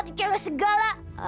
tuh cengah segala